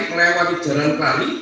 melewati jalan pelangi